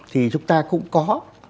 thì chúng ta cũng có